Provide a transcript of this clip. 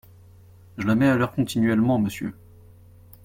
Je la mets à l’heure continuellement, monsieur.